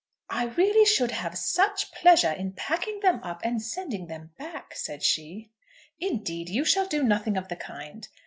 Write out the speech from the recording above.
"I really should have such pleasure in packing them up and sending them back," said she. "Indeed, you shall do nothing of the kind."